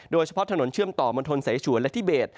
โดยเฉพาะถนนเชื่อมต่อมณฑลสายชวนและทิเบส